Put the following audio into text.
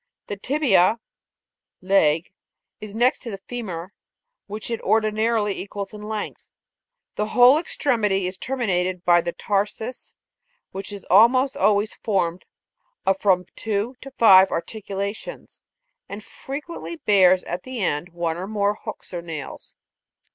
The tibia (leg,^^. 3, n) is next to the femur, which it ordinarily equals in length ; the whole extremity is terminated by the tarsus (o), which is almost always formed of from two to five articula tions, and frequently bears at the end, one or more hooks or nails.